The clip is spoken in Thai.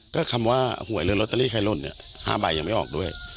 ก็คำว่าหวยเรือนรอตเตอรี่ใครล่นห้าใบยังไม่ออกด้วย